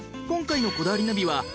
今回の『こだわりナビ』は。